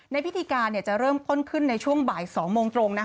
ในพิธีการจะเริ่มต้นขึ้นในช่วงบ่าย๒โมงตรง